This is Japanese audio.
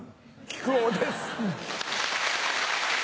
木久扇です。